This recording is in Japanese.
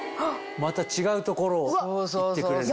また違う所を行ってくれるの。